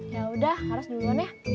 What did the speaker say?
yaudah laras duluan ya